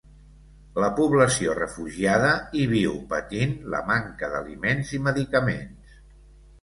La població refugiada hi viu patint la manca d'aliments i medicaments.